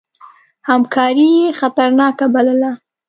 همکاري یې خطرناکه بلله.